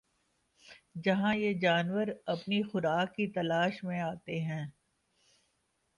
جہاں یہ جانور اپنی خوراک کی تلاش میں آتے ہیں